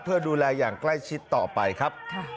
เพื่อดูแลอย่างใกล้ชิดต่อไปครับ